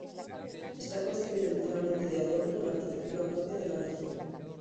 Está construida enteramente de adobe con la arquitectura propia de la región.